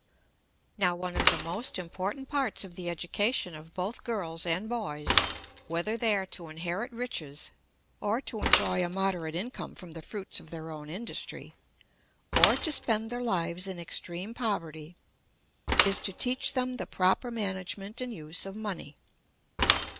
Now one of the most important parts of the education of both girls and boys, whether they are to inherit riches, or to enjoy a moderate income from the fruits of their own industry, or to spend their lives in extreme poverty, is to teach them the proper management and use of money.